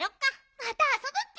またあそぶッピ！